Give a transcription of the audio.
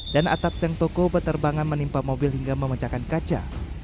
dan atap seng toko berterbangan menimpa mobil hingga memecahkan kaca